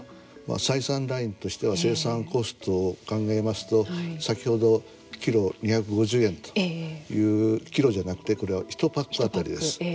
採算ラインとしては生産コストを考えますと先ほど、キロ２５０円というキロじゃなくてこれは１パック当たりです。